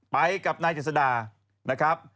ไปกับนายเจษดานะครับ